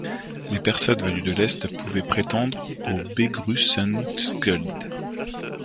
Les personnes venues de l'Est pouvaient prétendre au Begrüßungsgeld.